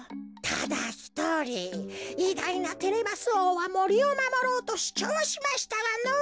ただひとりいだいなテレマスおうはもりをまもろうとしゅちょうしましたがのぉ。